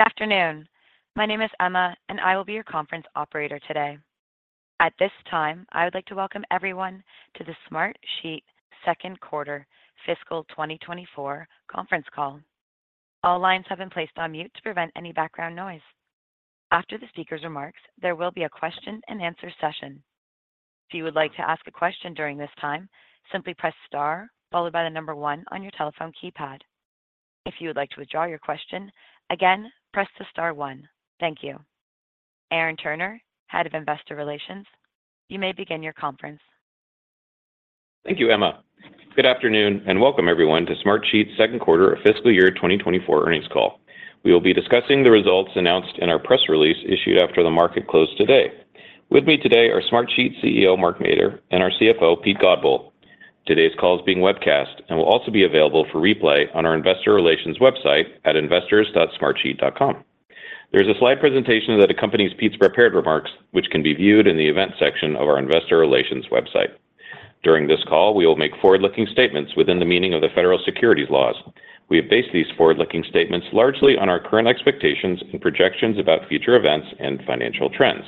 Good afternoon. My name is Emma, and I will be your conference operator today. At this time, I would like to welcome everyone to the Smartsheet Q2 fiscal 2024 conference call. All lines have been placed on mute to prevent any background noise. After the speaker's remarks, there will be a question-and-answer session. If you would like to ask a question during this time, simply press Star followed by the number one on your telephone keypad. If you would like to withdraw your question, again, press the star one. Thank you. Aaron Turner, Head of Investor Relations, you may begin your conference. Thank you, Emma. Good afternoon, and welcome everyone to Smartsheet's Q2 of fiscal year 2024 earnings call. We will be discussing the results announced in our press release issued after the market closed today. With me today are Smartsheet CEO, Mark Mader, and our CFO, Pete Godbole. Today's call is being webcast and will also be available for replay on our investor relations website at investors.smartsheet.com. There's a slide presentation that accompanies Pete's prepared remarks, which can be viewed in the event section of our investor relations website. During this call, we will make forward-looking statements within the meaning of the Federal Securities laws. We have based these forward-looking statements largely on our current expectations and projections about future events and financial trends.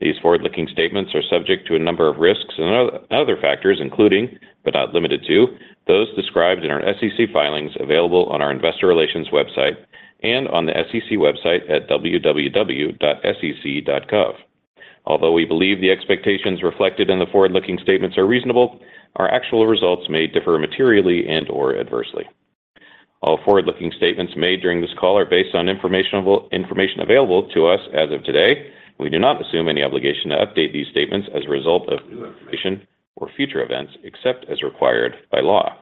These forward-looking statements are subject to a number of risks and other factors, including, but not limited to, those described in our SEC filings available on our investor relations website and on the SEC website at www.sec.gov. Although we believe the expectations reflected in the forward-looking statements are reasonable, our actual results may differ materially and/or adversely. All forward-looking statements made during this call are based on information available to us as of today. We do not assume any obligation to update these statements as a result of new information or future events, except as required by law.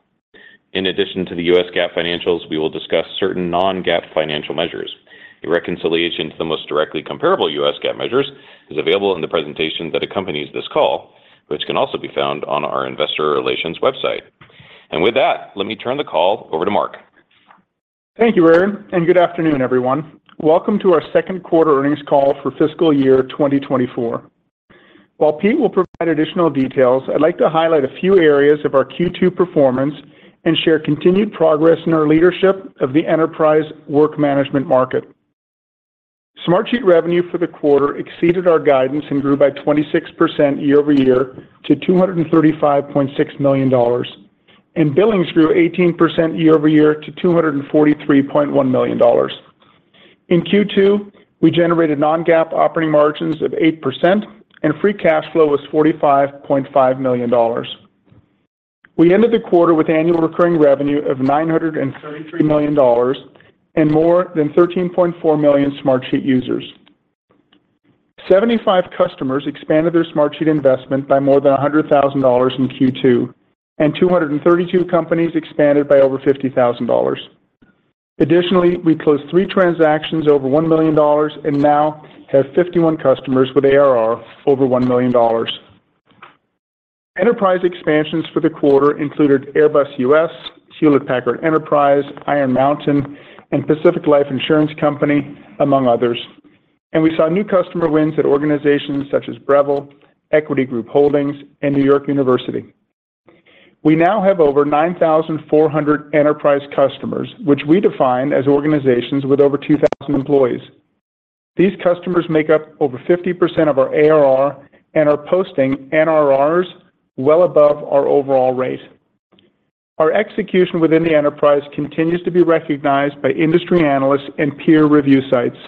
In addition to the U.S. GAAP financials, we will discuss certain non-GAAP financial measures. A reconciliation to the most directly comparable U.S. GAAP measures is available in the presentation that accompanies this call, which can also be found on our investor relations website. With that, let me turn the call over to Mark. Thank you, Aaron, and good afternoon, everyone. Welcome to our Q2 earnings call for fiscal year 2024. While Pete will provide additional details, I'd like to highlight a few areas of our Q2 performance and share continued progress in our leadership of the enterprise work management market. Smartsheet revenue for the quarter exceeded our guidance and grew by 26% year over year to $235.6 million, and billings grew 18% year over year to $243.1 million. In Q2, we generated Non-GAAP operating margins of 8%, and free cash flow was $45.5 million. We ended the quarter with annual recurring revenue of $933 million and more than 13.4 million Smartsheet users. 75 customers expanded their Smartsheet investment by more than $100,000 in Q2, and 232 companies expanded by over $50,000. Additionally, we closed three transactions over $1 million and now have 51 customers with ARR over $1 million. Enterprise expansions for the quarter included Airbus U.S., Hewlett Packard Enterprise, Iron Mountain, and Pacific Life Insurance Company, among others. We saw new customer wins at organizations such as Breville, Equity Group Holdings, and New York University. We now have over 9,400 enterprise customers, which we define as organizations with over 2,000 employees. These customers make up over 50% of our ARR and are posting NRR well above our overall rate. Our execution within the enterprise continues to be recognized by industry analysts and peer review sites.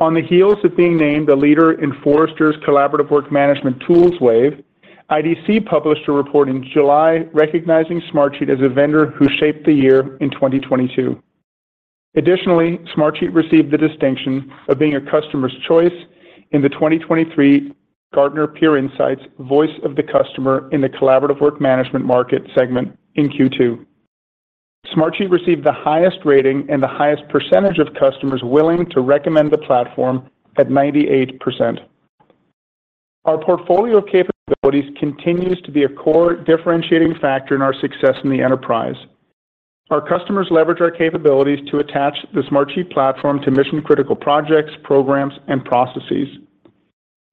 On the heels of being named a leader in Forrester's Collaborative Work Management Tools Wave, IDC published a report in July recognizing Smartsheet as a vendor who shaped the year in 2022. Additionally, Smartsheet received the distinction of being a in the 2023 Gartner Peer Insights Voice of the Customer in the Collaborative Work Management market segment in Q2. Smartsheet received the highest rating and the highest percentage of customers willing to recommend the platform at 98%. Our portfolio of capabilities continues to be a core differentiating factor in our success in the enterprise. Our customers leverage our capabilities to attach the Smartsheet platform to mission-critical projects, programs, and processes.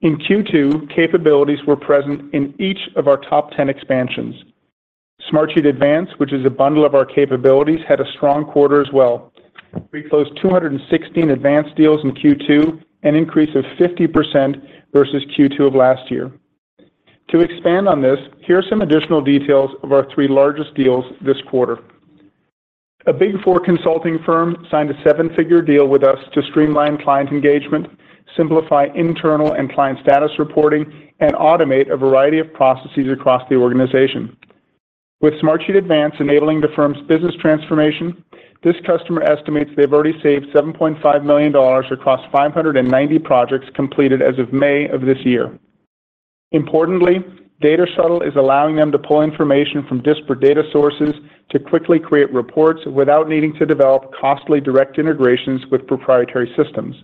In Q2, capabilities were present in each of our top 10 expansions. Smartsheet Advance, which is a bundle of our capabilities, had a strong quarter as well. We closed 216 Advance deals in Q2, an increase of 50% versus Q2 of last year. To expand on this, here are some additional details of our three largest deals this quarter. A Big Four consulting firm signed a seven-figure deal with us to streamline client engagement, simplify internal and client status reporting, and automate a variety of processes across the organization. With Smartsheet Advance enabling the firm's business transformation, this customer estimates they've already saved $7.5 million across 590 projects completed as of May of this year. Importantly, Data Shuttle is allowing them to pull information from disparate data sources to quickly create reports without needing to develop costly direct integrations with proprietary systems.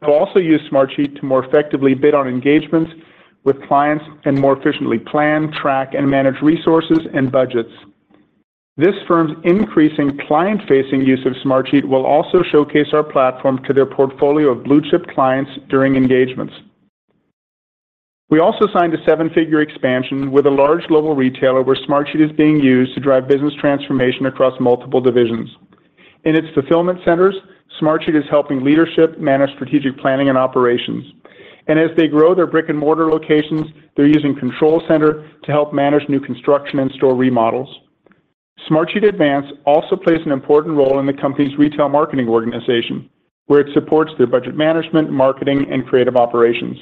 They'll also use Smartsheet to more effectively bid on engagements with clients and more efficiently plan, track, and manage resources and budgets. This firm's increasing client-facing use of Smartsheet will also showcase our platform to their portfolio of blue-chip clients during engagements. We also signed a seven-figure expansion with a large global retailer, where Smartsheet is being used to drive business transformation across multiple divisions. In its fulfillment centers, Smartsheet is helping leadership manage strategic planning and operations. And as they grow their brick-and-mortar locations, they're using Control Center to help manage new construction and store remodels. Smartsheet Advance also plays an important role in the company's retail marketing organization, where it supports their budget management, marketing, and creative operations.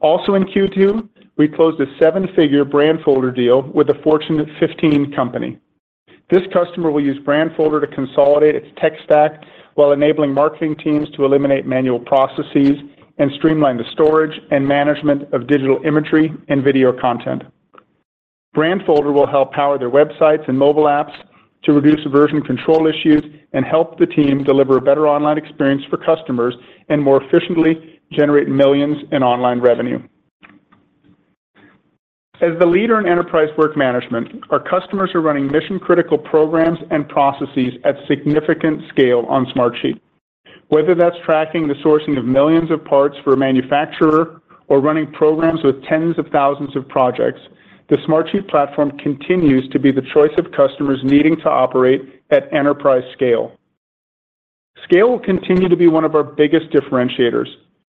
Also, in Q2, we closed a seven-figure Brandfolder deal with a Fortune 15 company. This customer will use Brandfolder to consolidate its tech stack, while enabling marketing teams to eliminate manual processes and streamline the storage and management of digital imagery and video content. Brandfolder will help power their websites and mobile apps to reduce version control issues and help the team deliver a better online experience for customers and more efficiently generate millions in online revenue. As the leader in enterprise work management, our customers are running mission-critical programs and processes at significant scale on Smartsheet. Whether that's tracking the sourcing of millions of parts for a manufacturer or running programs with tens of thousands of projects, the Smartsheet platform continues to be the choice of customers needing to operate at enterprise scale. Scale will continue to be one of our biggest differentiators.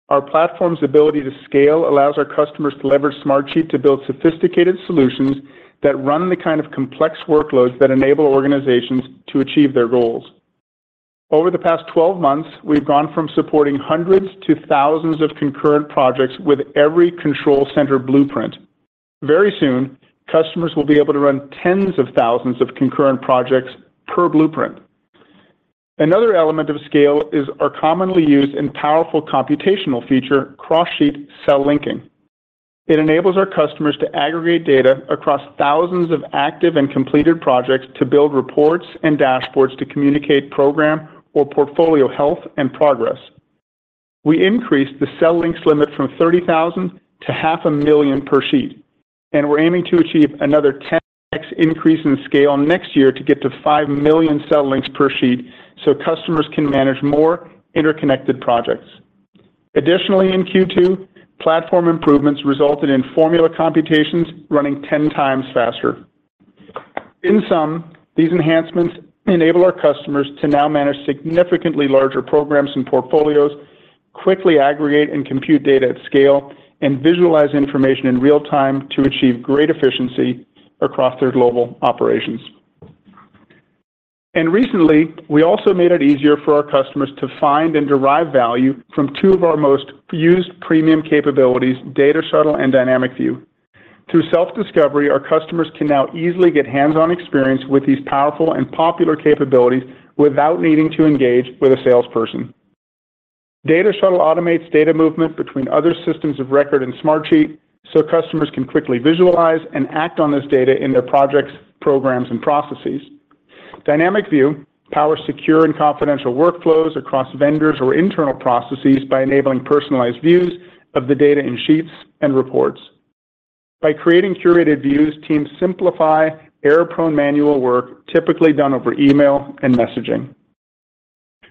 Our platform's ability to scale allows our customers to leverage Smartsheet to build sophisticated solutions that run the kind of complex workloads that enable organizations to achieve their goals. Over the past twelve months, we've gone from supporting hundreds to thousands of concurrent projects with every Control Center blueprint. Very soon, customers will be able to run tens of thousands of concurrent projects per blueprint. Another element of scale is our commonly used and powerful computational feature, Cross-Sheet Cell Linking. It enables our customers to aggregate data across thousands of active and completed projects to build reports and dashboards to communicate program or portfolio health and progress. We increased the cell links limit from 30,000 to 500,000 per sheet, and we're aiming to achieve another 10x increase in scale next year to get to five million cell links per sheet, so customers can manage more interconnected projects. Additionally, in Q2, platform improvements resulted in formula computations running 10 times faster. In sum, these enhancements enable our customers to now manage significantly larger programs and portfolios, quickly aggregate and compute data at scale, and visualize information in real time to achieve great efficiency across their global operations. And recently, we also made it easier for our customers to find and derive value from two of our most used premium capabilities, Data Shuttle and Dynamic View. Through Self-Discovery, our customers can now easily get hands-on experience with these powerful and popular capabilities without needing to engage with a salesperson. Data Shuttle automates data movement between other systems of record and Smartsheet, so customers can quickly visualize and act on this data in their projects, programs, and processes. Dynamic View powers secure and confidential workflows across vendors or internal processes by enabling personalized views of the data in sheets and reports. By creating curated views, teams simplify error-prone manual work, typically done over email and messaging.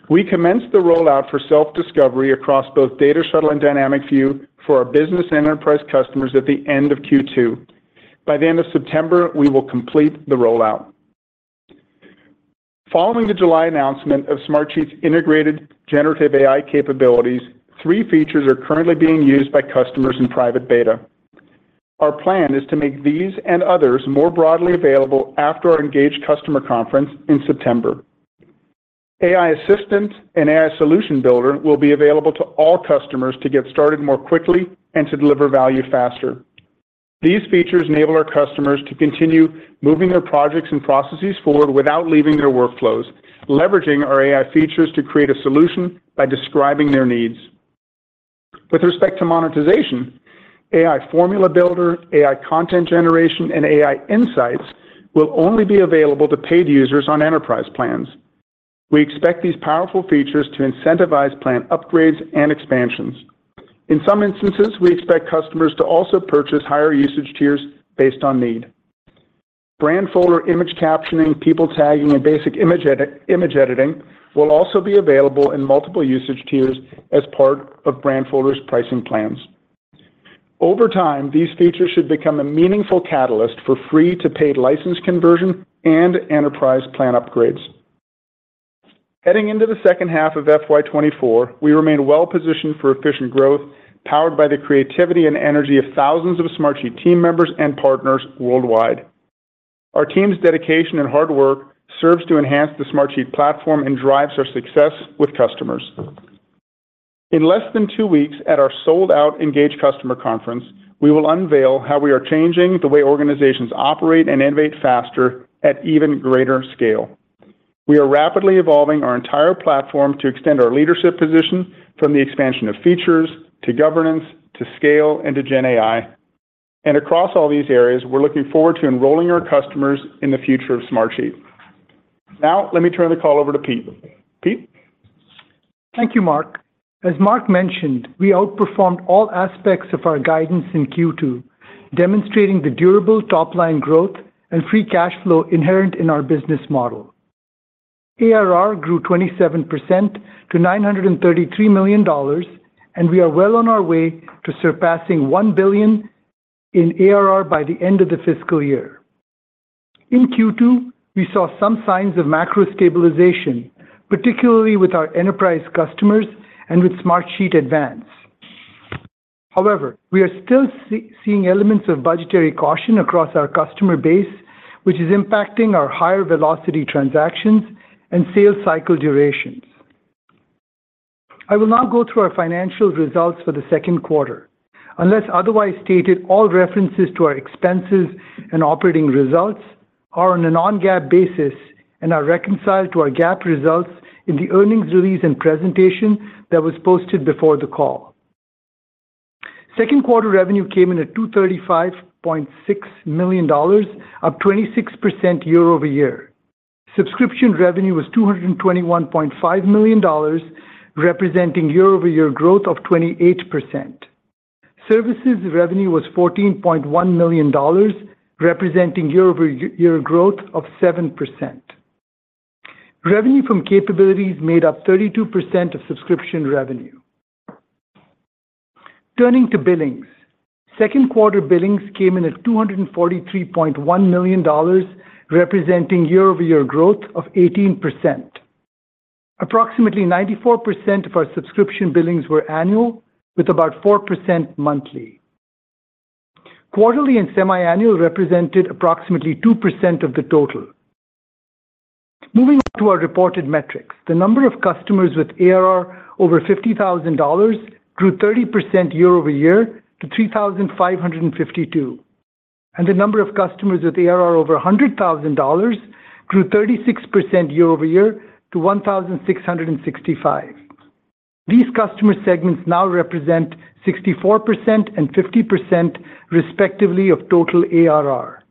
We commenced the rollout for self-discovery across both Data Shuttle and Dynamic View for our business and enterprise customers at the end of Q2. By the end of September, we will complete the rollout. Following the July announcement of Smartsheet's integrated generative AI capabilities, three features are currently being used by customers in private beta. Our plan is to make these and others more broadly available after our Engage Customer Conference in September. AI Assistant and AI Solution Builder will be available to all customers to get started more quickly and to deliver value faster. These features enable our customers to continue moving their projects and processes forward without leaving their workflows, leveraging our AI features to create a solution by describing their needs. With respect to monetization, AI Formula Builder, AI Content Generation, and AI Insights will only be available to paid users on enterprise plans. We expect these powerful features to incentivize plan upgrades and expansions. In some instances, we expect customers to also purchase higher usage tiers based on need. Brandfolder, image captioning, people tagging, and basic image editing will also be available in multiple usage tiers as part of Brandfolder's pricing plans. Over time, these features should become a meaningful catalyst for free-to-paid license conversion and enterprise plan upgrades. Heading into the second half of FY 2024, we remain well-positioned for efficient growth, powered by the creativity and energy of thousands of Smartsheet team members and partners worldwide. Our team's dedication and hard work serves to enhance the Smartsheet platform and drives our success with customers. In less than two weeks, at our sold-out Engage Customer Conference, we will unveil how we are changing the way organizations operate and innovate faster at even greater scale. We are rapidly evolving our entire platform to extend our leadership position from the expansion of features, to governance, to scale, and to GenAI. And across all these areas, we're looking forward to enrolling our customers in the future of Smartsheet. Now, let me turn the call over to Pete. Pete? Thank you, Mark. As Mark mentioned, we outperformed all aspects of our guidance in Q2, demonstrating the durable top-line growth and free cash flow inherent in our business model. ARR grew 27% to $933 million, and we are well on our way to surpassing $1 billion in ARR by the end of the fiscal year. In Q2, we saw some signs of macro stabilization, particularly with our enterprise customers and with Smartsheet Advance. However, we are still seeing elements of budgetary caution across our customer base, which is impacting our higher velocity transactions and sales cycle durations. I will now go through our financial results for the Q2. Unless otherwise stated, all references to our expenses and operating results are on a non-GAAP basis and are reconciled to our GAAP results in the earnings release and presentation that was posted before the call. Q2 revenue came in at $235.6 million, up 26% year-over-year. Subscription revenue was $221.5 million, representing year-over-year growth of 28%. Services revenue was $14.1 million, representing year-over-year growth of 7%. Revenue from capabilities made up 32% of subscription revenue. Turning to billings. Q2 billings came in at $243.1 million, representing year-over-year growth of 18%. Approximately 94% of our subscription billings were annual, with about 4% monthly. Quarterly and semiannual represented approximately 2% of the total. Moving to our reported metrics, the number of customers with ARR over $50,000 grew 30% year-over-year to $3,552, and the number of customers with ARR over $100,000 grew 36% year-over-year to 1,665. These customer segments now represent 64% and 50%, respectively, of total ARR.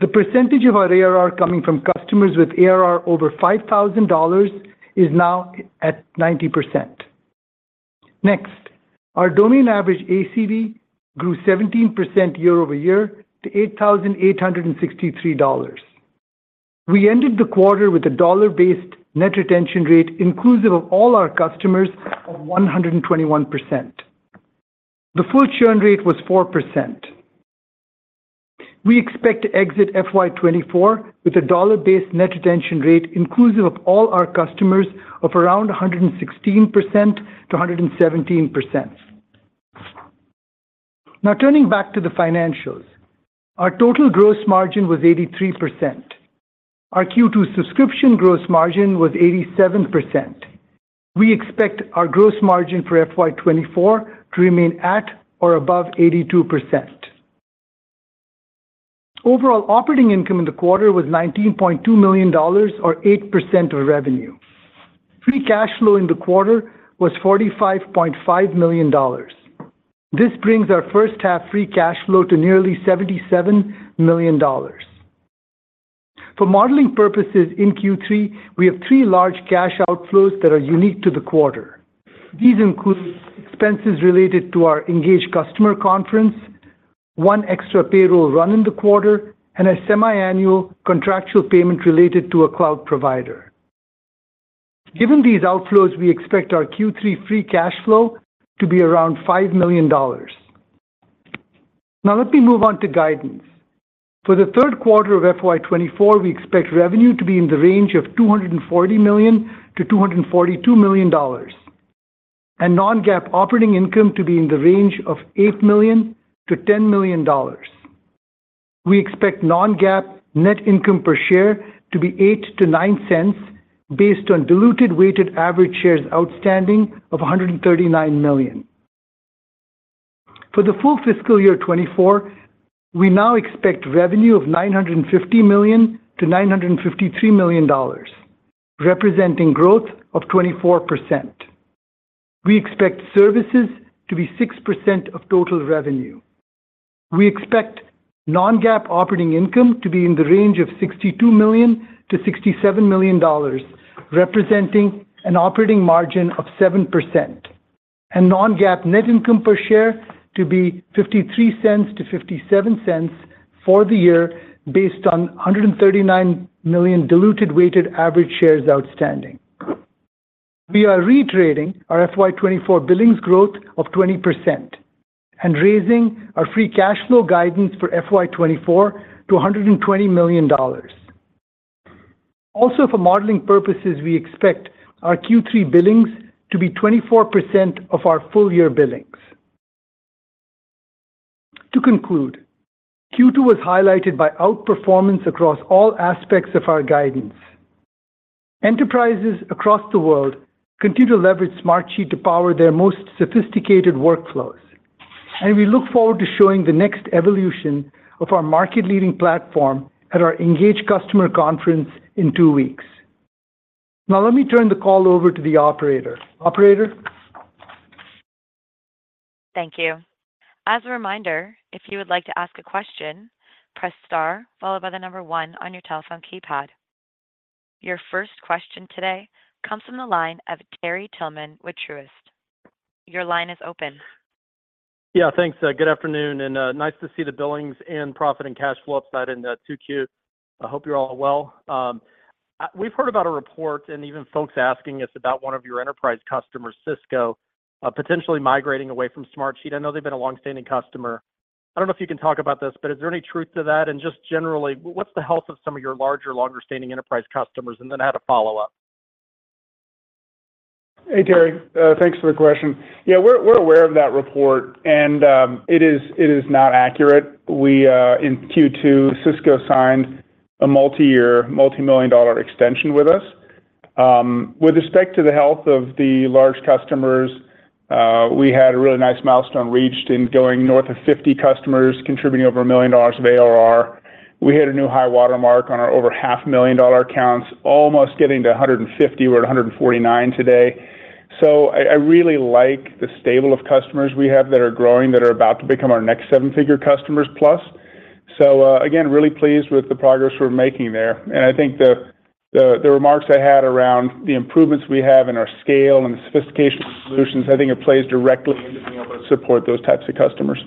The percentage of our ARR coming from customers with ARR over $5,000 is now at 90%. Next, our domain average ACV grew 17% year-over-year to $8,863. We ended the quarter with a dollar-based net retention rate, inclusive of all our customers, of 121%. The full churn rate was 4%. We expect to exit FY 2024 with a dollar-based net retention rate, inclusive of all our customers, of around 116%-117%. Now, turning back to the financials. Our total gross margin was 83%. Our Q2 subscription gross margin was 87%. We expect our gross margin for FY 2024 to remain at or above 82%. Overall operating income in the quarter was $19.2 million or 8% of revenue. Free cash flow in the quarter was $45.5 million. This brings our first half free cash flow to nearly $77 million. For modeling purposes, in Q3, we have three large cash outflows that are unique to the quarter. These include expenses related to our Engage customer conference, one extra payroll run in the quarter, and a semiannual contractual payment related to a cloud provider. Given these outflows, we expect our Q3 free cash flow to be around $5 million. Now, let me move on to guidance. For the Q3 of FY 2024, we expect revenue to be in the range of $240 to 242 million, and non-GAAP operating income to be in the range of $8 to 10 million. We expect non-GAAP net income per share to be $0.08 to $0.09 based on diluted weighted average shares outstanding of $139 million. For the full fiscal year 2024, we now expect revenue of $950 to 953 million, representing growth of 24%. We expect services to be 6% of total revenue. We expect non-GAAP operating income to be in the range of $62 to 67 million, representing an operating margin of 7%, and non-GAAP net income per share to be $0.53 to $0.57 for the year based on $139 million diluted weighted average shares outstanding. We are retrading our FY 2024 billings growth of 20% and raising our free cash flow guidance for FY 2024 to $120 million. Also, for modeling purposes, we expect our Q3 billings to be 24% of our full-year billings. To conclude, Q2 was highlighted by outperformance across all aspects of our guidance. Enterprises across the world continue to leverage Smartsheet to power their most sophisticated workflows, and we look forward to showing the next evolution of our market-leading platform at our Engage customer conference in two weeks. Now, let me turn the call over to the operator. Operator? Thank you. As a reminder, if you would like to ask a question, press star followed by the number one on your telephone keypad. Your first question today comes from the line of Terrell Tillman with Truist. Your line is open. ... Yeah, thanks. Good afternoon, and nice to see the billings and profit and cash flow upside in the Q2. I hope you're all well. We've heard about a report and even folks asking us about one of your enterprise customers, Cisco, potentially migrating away from Smartsheet i know they've been a long-standing customer. I don't know if you can talk about this, but is there any truth to that? And just generally, what's the health of some of your larger, longer-standing enterprise customers, and then I had a follow-up. Hey, Terry. Thanks for the question. Yeah, we're, we're aware of that report, and it is, it is not accurate. We in Q2, Cisco signed a multi-year, multi-million-dollar extension with us. With respect to the health of the large customers, we had a really nice milestone reached in going north of 50 customers contributing over $1 million of ARR. We hit a new high watermark on our over $500,000 accounts, almost getting to 150. We're at 149 today. I really like the stable of customers we have that are growing, that are about to become our next seven-figure customers plus. Again, really pleased with the progress we're making there. I think the remarks I had around the improvements we have in our scale and the sophistication of solutions. I think it plays directly into being able to support those types of customers.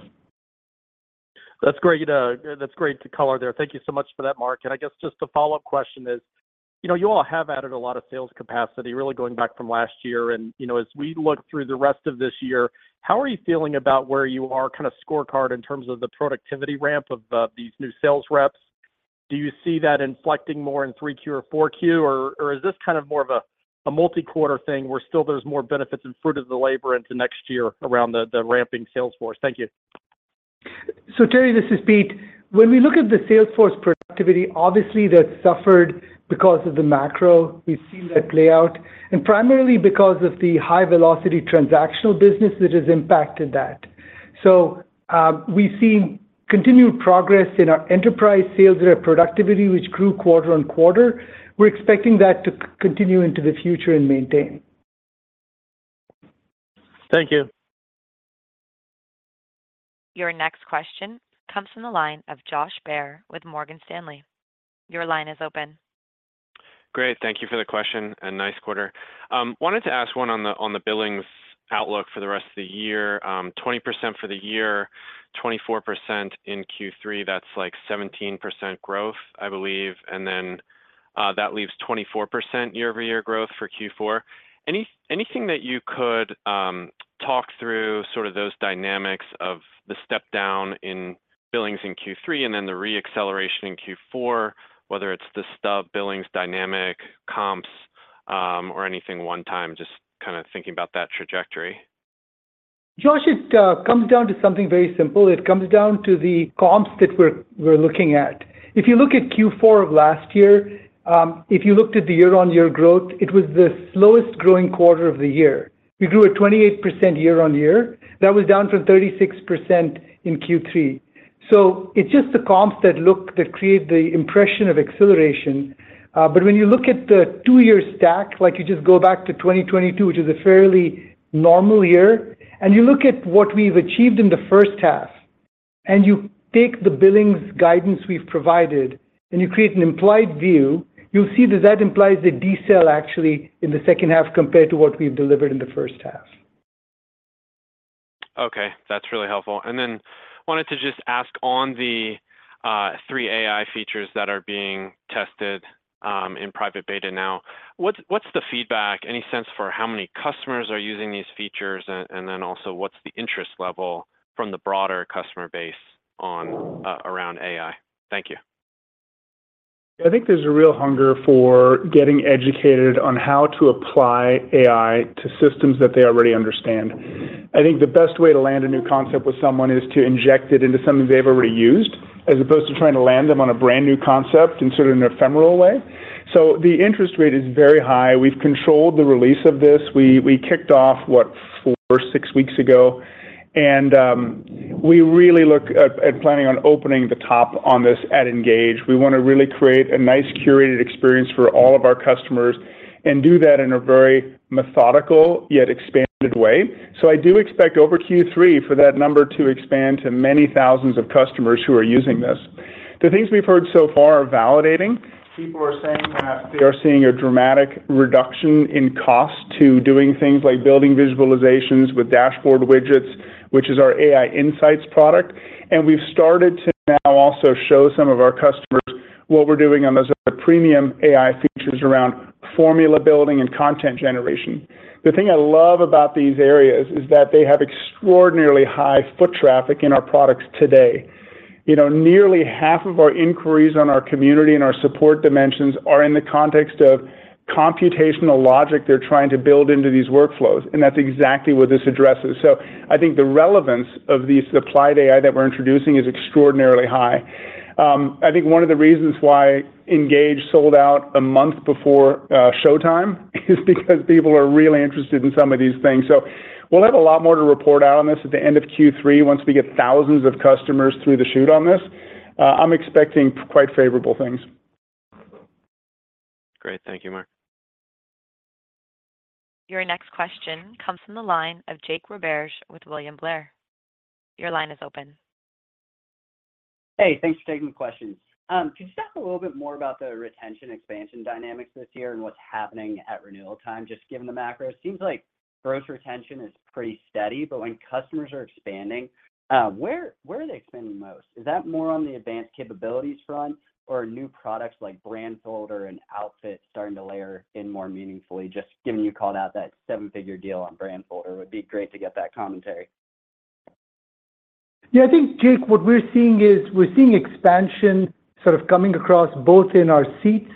That's great color there. Thank you so much for that, Mark. I guess just a follow-up question is, you know, you all have added a lot of sales capacity, really going back to last year. You know, as we look through the rest of this year, how are you feeling about where you are, kind of scorecard in terms of the productivity ramp of these new sales reps? Do you see that inflecting more in Q3 or Q4, or, or is this kind of more of a multi-quarter thing, where still there's more benefits and fruit of the labor into next year around the ramping sales force? Thank you. Hey, Terrell, this is Pete. When we look at the sales force productivity, obviously, that's suffered because of the macro. We've seen that play out, and primarily because of the high-velocity transactional business that has impacted that. We see continued progress in our enterprise sales rep productivity, which grew quarter-over-quarter. We're expecting that to continue into the future and maintain. Thank you. Your next question comes from the line of Josh Baer with Morgan Stanley. Your line is open. Great. Thank you for the question, and nice quarter. Wanted to ask one on the billings outlook for the rest of the year. 20% for the year, 24% in Q3, that's like 17% growth, I believe, and then that leaves 24% year-over-year growth for Q4. Anything that you could talk through, sort of those dynamics of the step down in billings in Q3, and then the re-acceleration in Q4, whether it's the stub billings dynamic, comps, or anything one time, just kinda thinking about that trajectory. Josh, it comes down to something very simple. It comes down to the comps that we're looking at. If you look at Q4 of last year, if you looked at the year-on-year growth, it was the slowest growing quarter of the year. We grew at 28% year-on-year. That was down from 36% in Q3. It's just the comps that look... that create the impression of acceleration. But when you look at the two-year stack, like, you just go back to 2022, which is a fairly normal year, and you look at what we've achieved in the first half, and you take the billings guidance we've provided, and you create an implied view, you'll see that that implies a decel actually in the second half compared to what we've delivered in the first half. Okay, that's really helpful. And then wanted to just ask on the three AI features that are being tested in private beta now, what's the feedback, any sense for how many customers are using these features? then also, what's the interest level from the broader customer base on around AI? Thank you. I think there's a real hunger for getting educated on how to apply AI to systems that they already understand. I think the best way to land a new concept with someone is to inject it into something they've already used, as opposed to trying to land them on a brand-new concept in sort of an ephemeral way. So the interest rate is very high. We've controlled the release of this we kicked off, what? four to six weeks ago. We really look at planning on opening the top on this at Engage. We wanna really create a nice, curated experience for all of our customers and do that in a very methodical, yet expanded way. So I do expect over Q3 for that number to expand to many thousands of customers who are using this. The things we've heard so far are validating. People are saying that they are seeing a dramatic reduction in cost to doing things like building visualizations with dashboard widgets, which is our AI Insights product. We've started to now also show some of our customers what we're doing on those other premium AI features around formula building and content generation. The thing I love about these areas is that they have extraordinarily high foot traffic in our products today. You know, nearly half of our inquiries on our community and our support dimensions are in the context of computational logic they're trying to build into these workflows, and that's exactly what this addresses. So I think the relevance of the applied AI that we're introducing is extraordinarily high. I think one of the reasons why Engage sold out a month before showtime is because people are really interested in some of these things. We'll have a lot more to report out on this at the end of Q3, once we get thousands of customers through the chute on this. I'm expecting quite favorable things. Great. Thank you, Mark. Your next question comes from the line of Jake Roberge with William Blair. Your line is open. Hey, thanks for taking the questions. Could you talk a little bit more about the retention expansion dynamics this year and what's happening at renewal time? Just given the macro, it seems like gross retention is pretty steady, but when customers are expanding, where, where are they expanding the most? Is that more on the advanced capabilities front or new products like Brandfolder and Outfit starting to layer in more meaningfully, just given you called out that seven-figure deal on Brandfolder. It would be great to get that commentary. Yeah, I think, Jake, what we're seeing is, we're seeing expansion sort of coming across both in our seats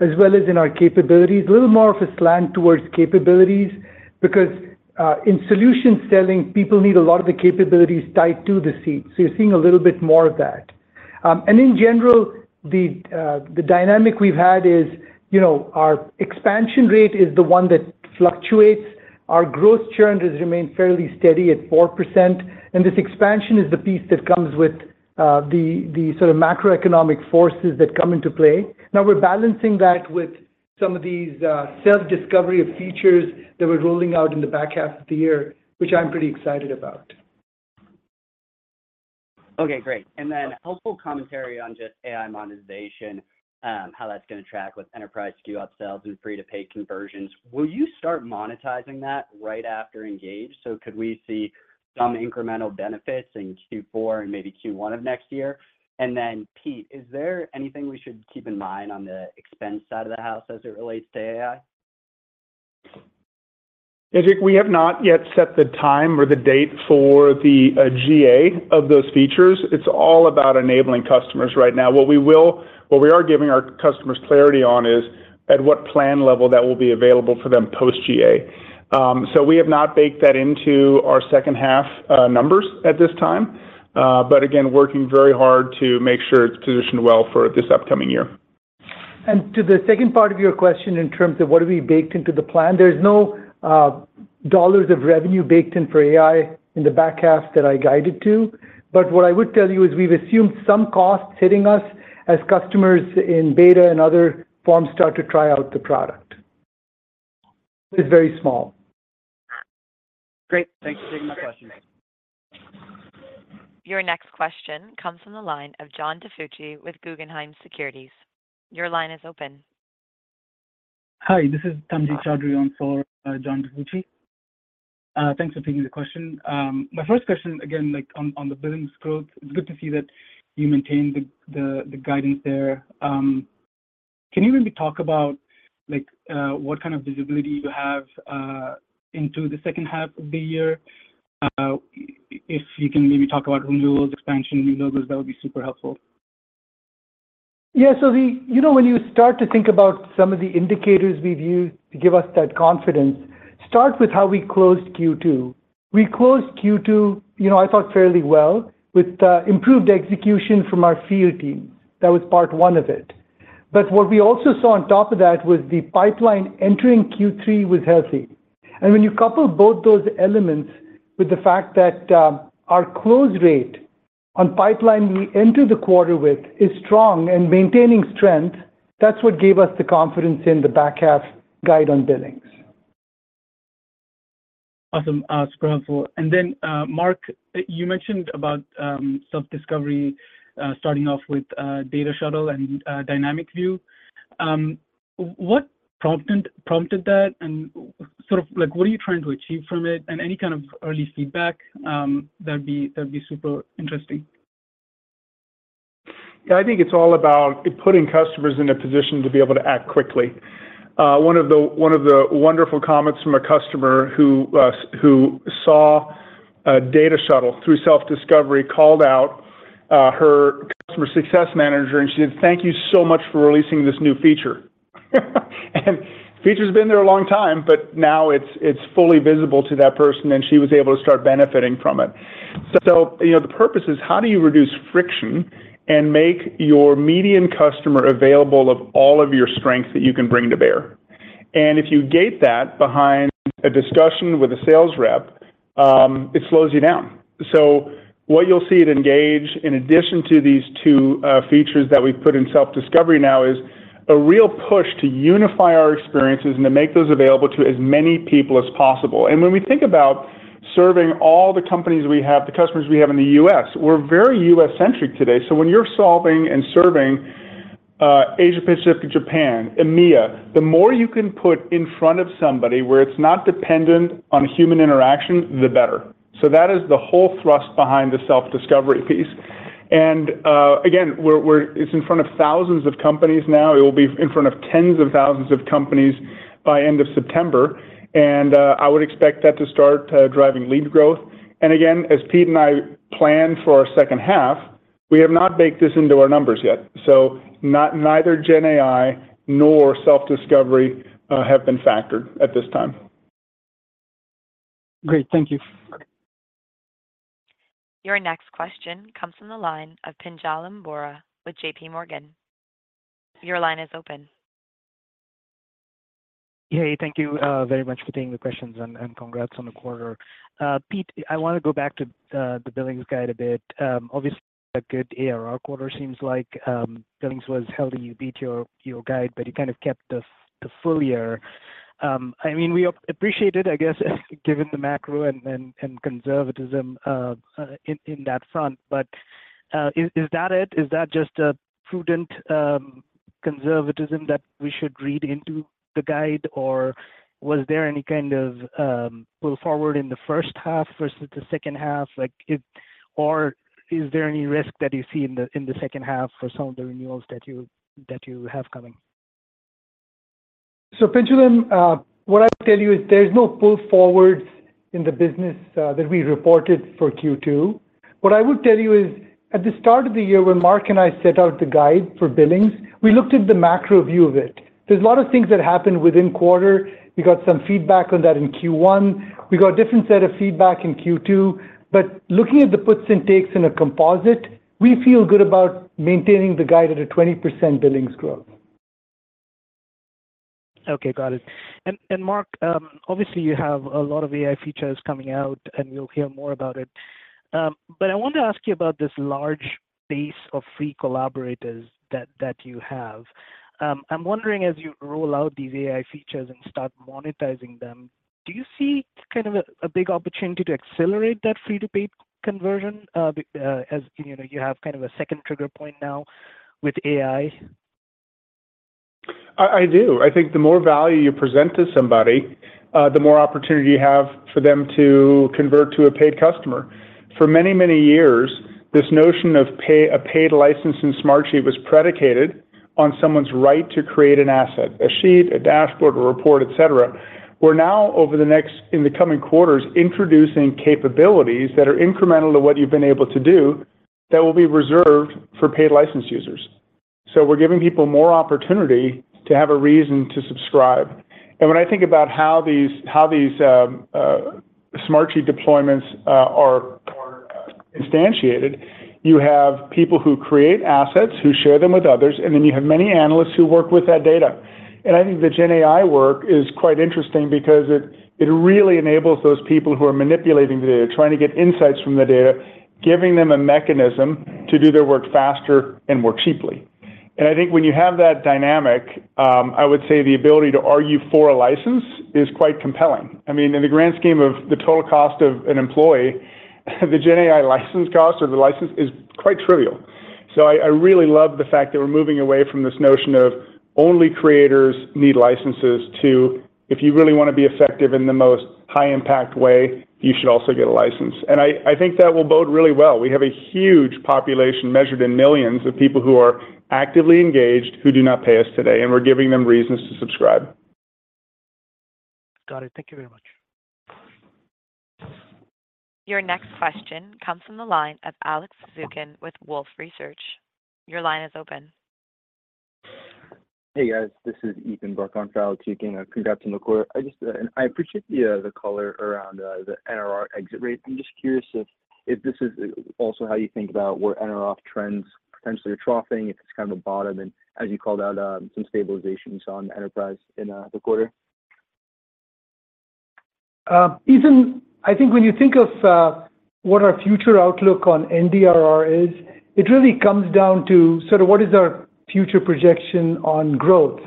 as well as in our capabilities a little more of a slant towards capabilities, because in solution selling, people need a lot of the capabilities tied to the seat, so you're seeing a little bit more of that. In general, the dynamic we've had is, you know, our expansion rate is the one that fluctuates. Our growth churn has remained fairly steady at 4%, and this expansion is the piece that comes with the sort of macroeconomic forces that come into play. Now, we're balancing that with some of these self-discovery of features that we're rolling out in the back half of the year, which I'm pretty excited about. Okay, great. And then helpful commentary on just AI monetization, how that's gonna track with enterprise SKU up sales and free-to-pay conversions. Will you start monetizing that right after Engage? So could we see some incremental benefits in Q4 and maybe Q1 of next year? And then, Pete, is there anything we should keep in mind on the expense side of the house as it relates to AI? Yeah, Jake, we have not yet set the time or the date for the GA of those features. It's all about enabling customers right now what we will-- What we are giving our customers clarity on is, at what plan level that will be available for them post-GA. So we have not baked that into our second half numbers at this time, but again, working very hard to make sure it's positioned well for this upcoming year. To the second part of your question, in terms of what have we baked into the plan, there's no dollars of revenue baked in for AI in the back half that I guided to. What I would tell you is we've assumed some costs hitting us as customers in beta and other forms start to try out the product. It's very small. Great. Thank you for taking my questions. Your next question comes from the line of John DiFucci with Guggenheim Securities. Your line is open. Hi, this is Tanjim Chowdhury in for John DiFucci. Thanks for taking the question. My first question again, like on the billings growth, it's good to see that you maintained the guidance there. Can you maybe talk about, like, what kind of visibility you have into the second half of the year? If you can maybe talk about renewals, expansion renewals, that would be super helpful. Yeah. We, you know, when you start to think about some of the indicators we've used to give us that confidence, start with how we closed Q2. We closed Q2, you know, I thought fairly well, with improved execution from our field team. That was part one of it. But what we also saw on top of that was the pipeline entering Q3 was healthy. And when you couple both those elements with the fact that our close rate on pipeline we enter the quarter with is strong and maintaining strength, that's what gave us the confidence in the back half guide on billings. Awesome. Super helpful. And then, Mark, you mentioned about Self-Discovery, starting off with Data Shuttle and Dynamic View. What prompted that? And sort of like, what are you trying to achieve from it, and any kind of early feedback, that'd be super interesting. Yeah, I think it's all about putting customers in a position to be able to act quickly. One of the wonderful comments from a customer who saw Data Shuttle through Self-Discovery called out her customer success manager, and she said, "Thank you so much for releasing this new feature." And feature's been there a long time, but now it's fully visible to that person, and she was able to start benefiting from it. You know, the purpose is how do you reduce friction and make your median customer available of all of your strengths that you can bring to bear? And if you gate that behind a discussion with a sales rep, it slows you down. What you'll see at Engage, in addition to these two features that we've put in Self-Discovery now, is a real push to unify our experiences and to make those available to as many people as possible and when we think about serving all the companies we have, the customers we have in the U.S., we're very U.S.-centric today so when you're solving and serving Asia Pacific Japan, EMEA, the more you can put in front of somebody where it's not dependent on human interaction, the better. That is the whole thrust behind the Self-Discovery piece. And, again, it's in front of thousands of companies now. It will be in front of tens of thousands of companies by end of September, and I would expect that to start driving lead growth. And again, as Pete and I plan for our second half, we have not baked this into our numbers yet, so neither GenAI nor Self-Discovery have been factored at this time. Great. Thank you. Your next question comes from the line of Pinjalim Bora with J.P. Morgan. Your line is open. Hey, thank you very much for taking the questions, and, and congrats on the quarter. Pete, I wanna go back to the billings guide a bit. Obviously, a good ARR quarter seems like billings was healthy you beat your guide, but you kind of kept the full year-... I mean, we appreciate it, I guess, given the macro and conservatism in that front. But, is that it? Is that just a prudent conservatism that we should read into the guide? Or was there any kind of pull forward in the first half versus the second half? Or is there any risk that you see in the second half for some of the renewals that you have coming? Pinjalim, what I tell you is there's no pull forwards in the business that we reported for Q2. What I would tell you is, at the start of the year, when Mark and I set out to guide for billings, we looked at the macro view of it. There's a lot of things that happened within quarter. We got some feedback on that in Q1. We got a different set of feedback in Q2, but looking at the puts and takes in a composite, we feel good about maintaining the guide at a 20% billings growth. Okay, got it. And Mark, obviously, you have a lot of AI features coming out, and we'll hear more about it. But I want to ask you about this large base of free collaborators that you have. I'm wondering, as you roll out these AI features and start monetizing them, do you see kind of a big opportunity to accelerate that free-to-paid conversion, as you know, you have kind of a second trigger point now with AI? I do. I think the more value you present to somebody, the more opportunity you have for them to convert to a paid customer. For many, many years, this notion of a paid license in Smartsheet was predicated on someone's right to create an asset, a sheet, a dashboard, a report, et cetera. We're now, in the coming quarters, introducing capabilities that are incremental to what you've been able to do, that will be reserved for paid license users. We're giving people more opportunity to have a reason to subscribe. And when I think about how these Smartsheet deployments are instantiated, you have people who create assets, who share them with others, and then you have many analysts who work with that data. And I think the GenAI work is quite interesting because it, it really enables those people who are manipulating the data, trying to get insights from the data, giving them a mechanism to do their work faster and more cheaply. And I think when you have that dynamic, I would say the ability to argue for a license is quite compelling. I mean, in the grand scheme of the total cost of an employee, the GenAI license cost or the license is quite trivial. I really love the fact that we're moving away from this notion of only creators need licenses, to if you really want to be effective in the most high-impact way, you should also get a license and i think that will bode really well we have a huge population, measured in millions, of people who are actively engaged, who do not pay us today, and we're giving them reasons to subscribe. Got it. Thank you very much. Your next question comes from the line of Alex Zukin with Wolfe Research. Your line is open. Hey, guys, this is Ethan Bourdeax on for Alex Zukin, and congrats on the quarter. I just appreciate the color around the NRR exit rate. I'm just curious if this is also how you think about where NRR trends potentially are troughing, if it's kind of a bottom, and as you called out, some stabilizations on enterprise in the quarter. Ethan, I think when you think of what our future outlook on NDRR is, it really comes down to sort of what is our future projection on growth.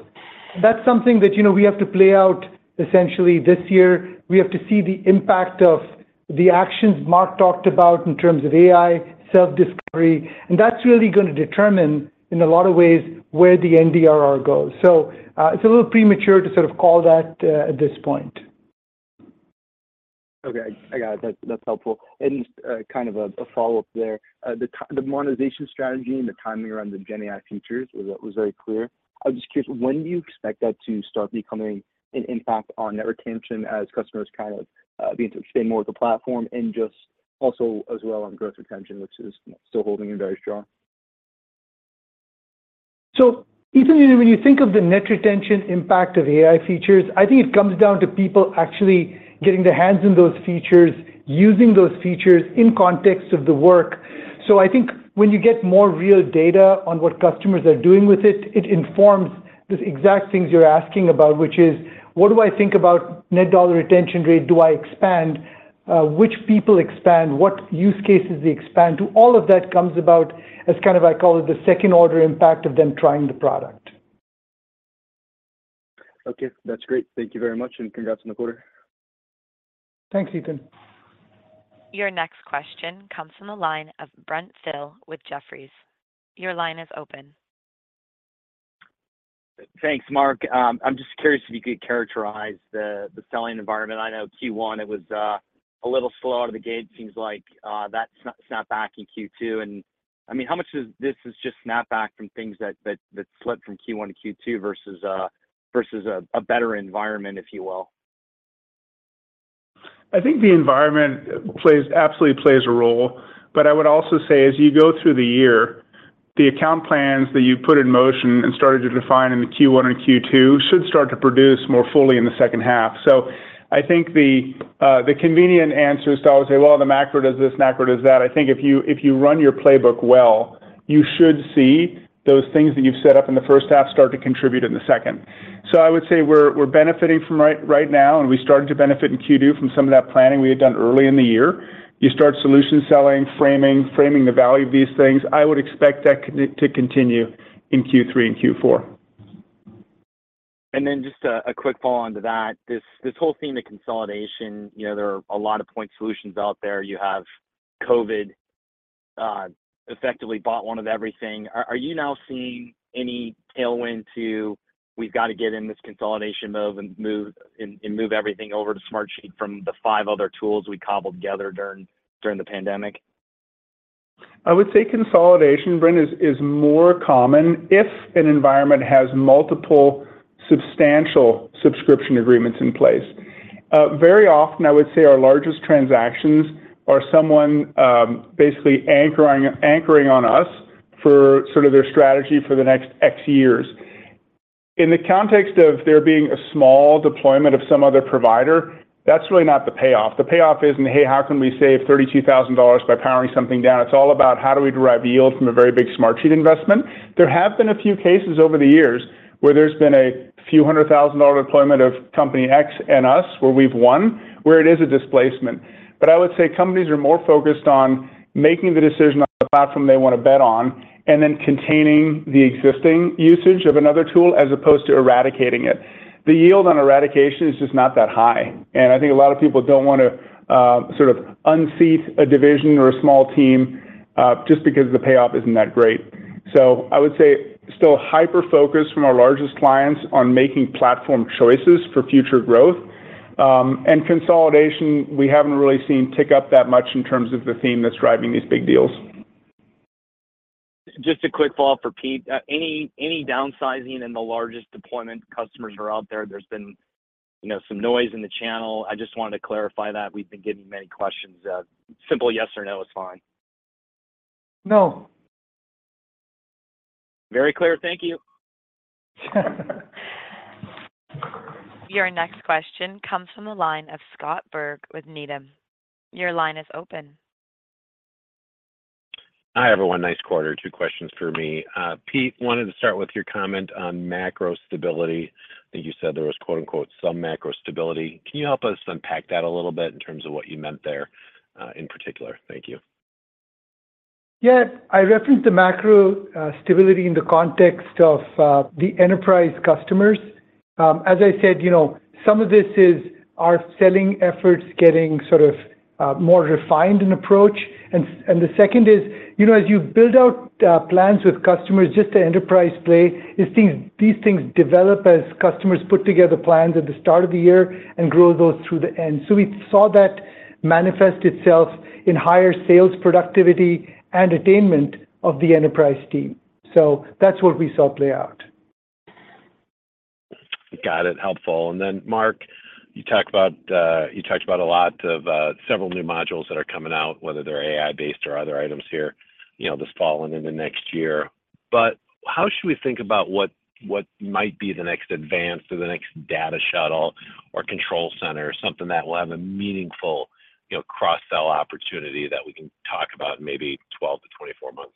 That's something that, you know, we have to play out essentially this year. We have to see the impact of the actions Mark talked about in terms of AI, self-discovery, and that's really going to determine, in a lot of ways, where the NDRR goes. It's a little premature to sort of call that at this point. Okay, I got it. That's, that's helpful. And, kind of a follow-up there. The monetization strategy and the timing around the GenAI features was very clear. I was just curious, when do you expect that to start becoming an impact on net retention as customers kind of being to stay more with the platform and just also as well on growth retention, which is still holding in very strong? Ethan, when you think of the net retention impact of AI features, I think it comes down to people actually getting their hands on those features, using those features in context of the work. So I think when you get more real data on what customers are doing with it, it informs these exact things you're asking about, which is: What do I think about net dollar retention rate? Do I expand? which people expand? What use cases they expand to? All of that comes about as kind of, I call it, the second-order impact of them trying the product. Okay, that's great. Thank you very much, and congrats on the quarter. Thanks, Ethan. Your next question comes from the line of Brent Thill with Jefferies. Your line is open. Thanks, Mark. I'm just curious if you could characterize the selling environmen i know Q1, it was a little slow out of the gate it seems like that snap back in Q2. And I mean, how much does this is just snapback from things that slipped from Q1 to Q2 versus a better environment, if you will? I think the environment absolutely plays a role. I would also say, as you go through the year, the account plans that you put in motion and started to define in Q1 and Q2 should start to produce more fully in the second half. I think the convenient answer is to always say, "Well, the macro does this, macro does that." I think if you run your playbook well, you should see those things that you've set up in the first half start to contribute in the second. I would say we're benefiting from right now, and we started to benefit in Q2 from some of that planning we had done early in the year. You start solution selling, framing the value of these things. I would expect that to continue in Q3 and Q4. Then just a quick follow-on to that, this whole theme of consolidation, you know, there are a lot of point solutions out there. You have COVID effectively bought one of everything. Are you now seeing any tailwind to we've got to get in this consolidation mode and move everything over to Smartsheet from the five other tools we cobbled together during the pandemic? I would say consolidation, Brent, is more common if an environment has multiple substantial subscription agreements in place. Very often, I would say our largest transactions are someone basically anchoring on us for sort of their strategy for the next X years. In the context of there being a small deployment of some other provider, that's really not the payoff the payoff isn't, "Hey, how can we save $32,000 by powering something down?" It's all about how do we derive yield from a very big Smartsheet investment? There have been a few cases over the years where there's been a few hundred thousand-dollar deployment of Company X and us, where we've won, where it is a displacement. I would say companies are more focused on making the decision on the platform they want to bet on, and then containing the existing usage of another tool, as opposed to eradicating it. The yield on eradication is just not that high, and I think a lot of people don't want to sort of unseat a division or a small team, just because the payoff isn't that great. I would say still hyper-focused from our largest clients on making platform choices for future growth. And consolidation, we haven't really seen tick up that much in terms of the theme that's driving these big deals. Just a quick follow-up for Pete. Any downsizing in the largest deployment customers who are out there? There's been, you know, some noise in the channel. I just wanted to clarify that we've been getting many questions. Simple yes or no is fine. No. Very clear. Thank you. Your next question comes from the line of Scott Berg with Needham. Your line is open. Hi, everyone. Nice quarter. Two questions for me. Pete, wanted to start with your comment on macro stability. I think you said there was, quote-unquote, "some macro stability." Can you help us unpack that a little bit in terms of what you meant there, in particular? Thank you. Yeah. I referenced the macro stability in the context of the enterprise customers. As I said, you know, some of this is our selling efforts getting sort of more refined in approach. And the second is, you know, as you build out plans with customers, just the enterprise play, these things, these things develop as customers put together plans at the start of the year and grow those through the end. We saw that manifest itself in higher sales, productivity, and attainment of the enterprise team. That's what we saw play out. Got it. Helpful. And then, Mark, you talked about a lot of several new modules that are coming out, whether they're AI-based or other items here, you know, this fall and in the next year. But how should we think about what might be the next advance or the next Data Shuttle or Control Center, something that will have a meaningful, you know, cross-sell opportunity that we can talk about in maybe 12 to 24 months?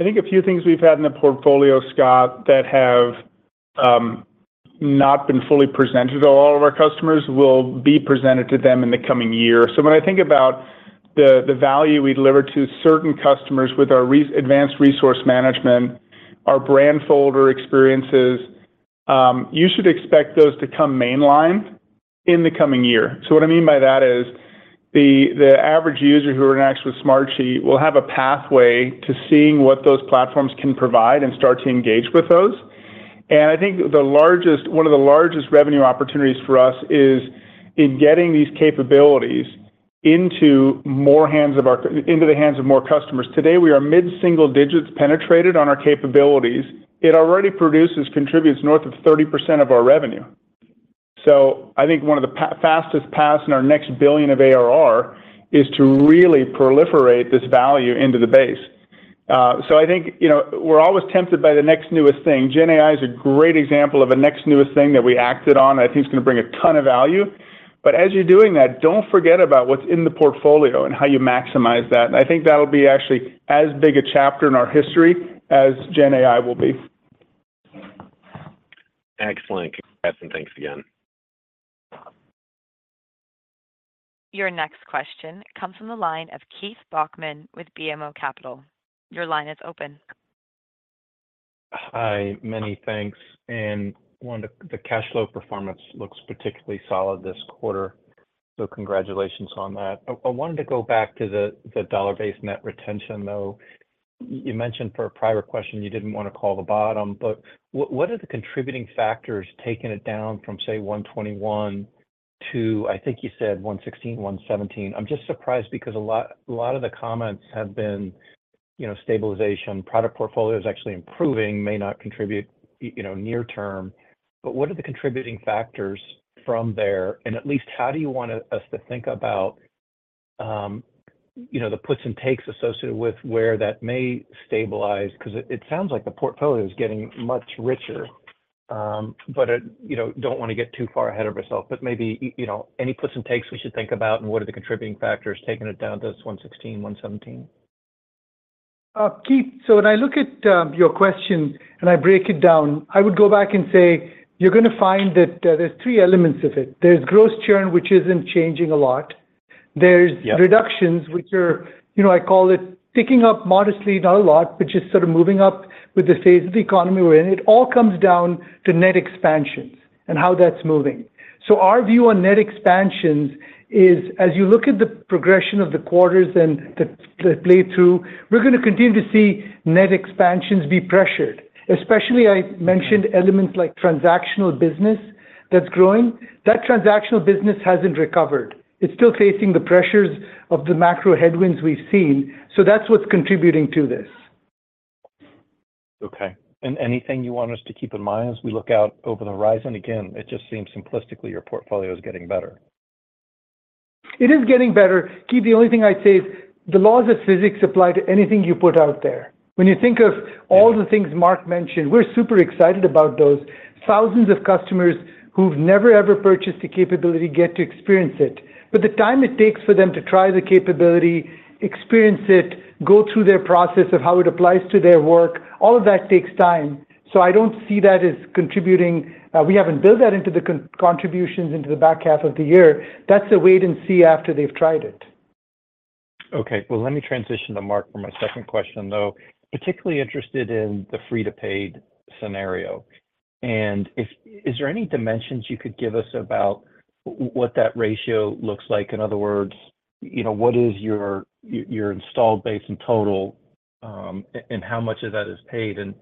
I think a few things we've had in the portfolio, Scott, that have not been fully presented to all of our customers will be presented to them in the coming year. So when I think about the value we deliver to certain customers with our advanced Resource Management, our Brandfolder experiences, you should expect those to come mainline in the coming year. So what I mean by that is the average user who interacts with Smartsheet will have a pathway to seeing what those platforms can provide and start to engage with those. I think the largest, one of the largest revenue opportunities for us is in getting these capabilities into more hands of our into the hands of more customers. Today, we are mid-single digits penetrated on our capabilities. It already produces, contributes north of 30% of our revenue. I think one of the fastest paths in our next billion of ARR is to really proliferate this value into the base. So I think, you know, we're always tempted by the next newest thing. Gen AI is a great example of a next newest thing that we acted on, and I think it's gonna bring a ton of value. But as you're doing that, don't forget about what's in the portfolio and how you maximize that. I think that'll be actually as big a chapter in our history as Gen AI will be. Excellent. Congrats, and thanks again. Your next question comes from the line of Keith Bachman with BMO Capital. Your line is open. Hi, many thanks. And wonder, the cash flow performance looks particularly solid this quarter, so congratulations on that. But I wanted to go back to the dollar-based net retention, though. You mentioned for a prior question, you didn't want to call the bottom, but what are the contributing factors taking it down from, say, 121% to, I think you said 116%, 117%? I'm just surprised because a lot, a lot of the comments have been, you know, stabilization, product portfolio is actually improving, may not contribute, you know, near term. What are the contributing factors from there, and at least how do you want us to think about, you know, the puts and takes associated with where that may stabilize? Because it, it sounds like the portfolio is getting much richer, but, you know, don't want to get too far ahead of ourselves. But maybe, you know, any puts and takes we should think about, and what are the contributing factors taking it down to this $116 to $117? Keith, so when I look at your question and I break it down, I would go back and say you're gonna find that there's three elements of it there's gross churn, which isn't changing a lot. There's reductions which are, you know, I call it ticking up modestly, not a lot, but just sort of moving up with the state of the economy we're in. It all comes down to net expansions and how that's moving. Our view on net expansions is, as you look at the progression of the quarters and the play through, we're gonna continue to see net expansions be pressured. Especially, I mentioned elements like transactional business that's growing. That transactional business hasn't recovered. It's still facing the pressures of the macro headwinds we've seen, so that's what's contributing to this. Okay. Anything you want us to keep in mind as we look out over the horizon? Again, it just seems simplistically your portfolio is getting better. It is getting better. Keith, the only thing I'd say is the laws of physics apply to anything you put out there. When you think of all the things Mark mentioned, we're super excited about those thousands of customers who've never, ever purchased the capability get to experience it. But the time it takes for them to try the capability, experience it, go through their process of how it applies to their work, all of that takes time. So I don't see that as contributing. We haven't built that into the contributions into the back half of the year. That's a wait and see after they've tried it. Okay. Well, let me transition to Mark for my second question, though. Particularly interested in the free to paid scenario, and if is there any dimensions you could give us about what that ratio looks like? In other words, you know, what is your, your, installed base in total, and how much of that is paid? And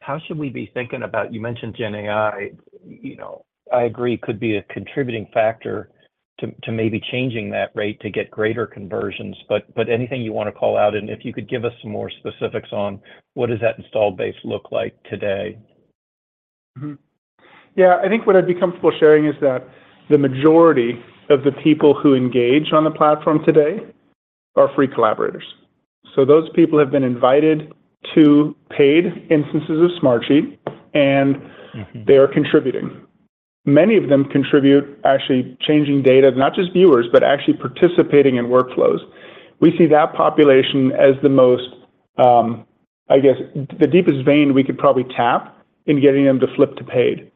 how should we be thinking about... You mentioned GenAI, you know, I agree, could be a contributing factor to maybe changing that rate to get greater conversions, but anything you want to call out, and if you could give us some more specifics on what does that installed base look like today? Yeah, I think what I'd be comfortable sharing is that the majority of the people who engage on the platform today are free collaborators. So those people have been invited to paid instances of Smartsheet, and they are contributing. Many of them contribute actually changing data, not just viewers, but actually participating in workflows. We see that population as the most, I guess, the deepest vein we could probably tap in getting them to flip to paid.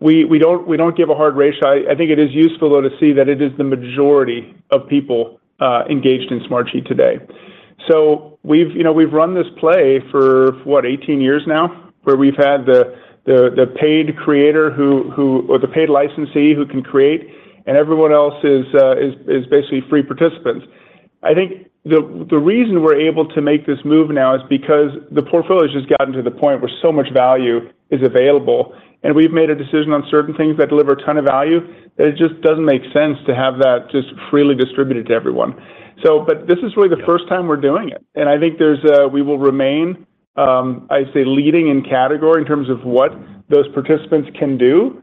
We don't give a hard ratio. I think it is useful, though, to see that it is the majority of people engaged in Smartsheet today. We've, you know, we've run this play for what, 18 years now, where we've had the paid creator or the paid licensee who can create, and everyone else is basically free participants. I think the reason we're able to make this move now is because the portfolio has just gotten to the point where so much value is available, and we've made a decision on certain things that deliver a ton of value, that it just doesn't make sense to have that just freely distributed to everyone. So, but this is really the first time we're doing it, and I think we will remain, I'd say, leading in category in terms of what those participants can do.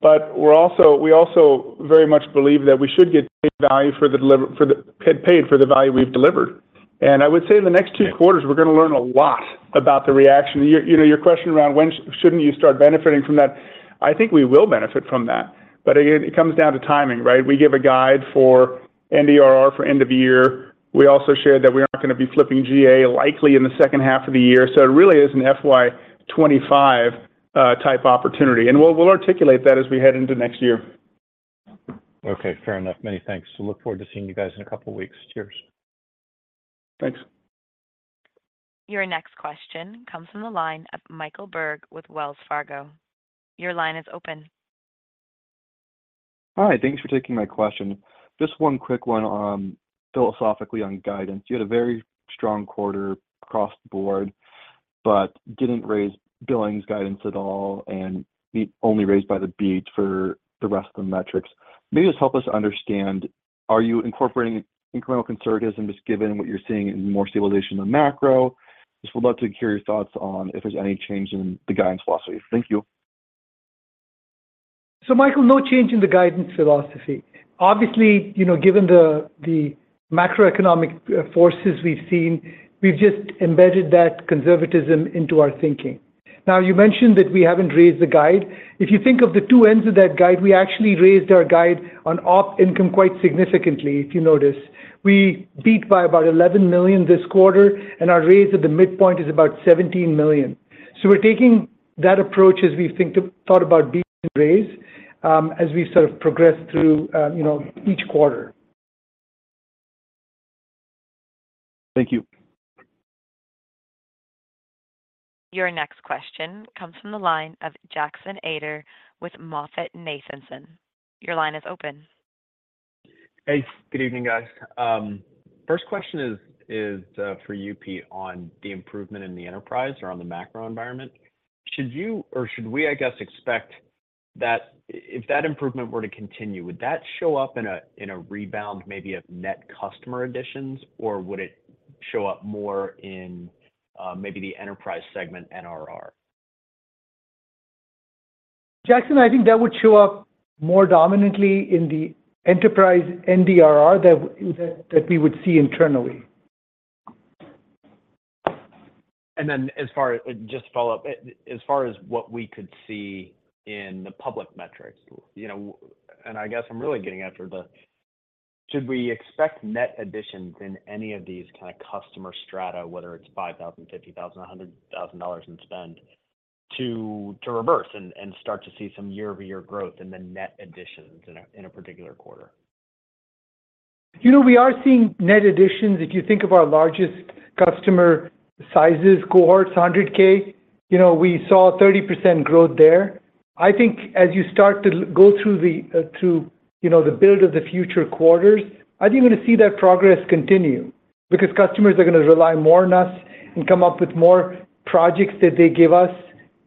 But we also very much believe that we should get paid for the value we've delivered. I would say in the next two quarters, we're gonna learn a lot about the reaction you, you know, your question around when shouldn't you start benefiting from that, I think we will benefit from that. But again, it comes down to timing, right? We give a guide for NDRR for end of year. We also shared that we aren't gonna be flipping GA likely in the second half of the year, so it really is an FY 2025 type opportunity and we'll, we'll articulate that as we head into next year. Okay, fair enough. Many thanks. So, look forward to seeing you guys in a couple of weeks. Cheers. Thanks. Your next question comes from the line of Michael Berg with Wells Fargo. Your line is open. Hi, thanks for taking my question. Just one quick one on philosophically on guidance you had a very strong quarter across the board, but didn't raise billings guidance at all, and you only raised by the beat for the rest of the metrics. Maybe just help us understand, are you incorporating incremental conservatism, just given what you're seeing in more stabilization than macro? Just would love to hear your thoughts on if there's any change in the guidance philosophy. Thank you. Michael, no change in the guidance philosophy. Obviously, you know, given the macroeconomic forces we've seen, we've just embedded that conservatism into our thinking. Now, you mentioned that we haven't raised the guide. If you think of the two ends of that guide, we actually raised our guide on op income quite significantly, if you notice. We beat by about $11 million this quarter, and our raise at the midpoint is about $17 million. So we're taking that approach as we thought about beat and raise, as we sort of progress through, you know, each quarter. Thank you. Your next question comes from the line of Jackson Ader with MoffettNathanson. Your line is open. Hey, good evening, guys. First question is for you, Pete, on the improvement in the enterprise or on the macro environment. Should you, or should we, I guess, expect that if that improvement were to continue, would that show up in a rebound maybe of net customer additions, or would it show up more in maybe the enterprise segment NRR? Jackson, I think that would show up more dominantly in the enterprise NDRR that we would see internally. Then as far as... Just to follow up, as far as what we could see in the public metrics, you know, and I guess I'm really getting after the, should we expect net additions in any of these kind of customer strata, whether it's $5,000, $50,000, $100,000 in spend?... to reverse and start to see some year-over-year growth in the net additions in a particular quarter? You know, we are seeing net additions. If you think of our largest customer sizes, cohorts, $100,000, you know, we saw 30% growth there. I think as you start to go through the, you know, the build of the future quarters, I think you're gonna see that progress continue. Because customers are gonna rely more on us and come up with more projects that they give us.